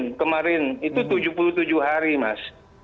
bagaimana nazaruddin kemarin itu tujuh puluh tujuh hari mas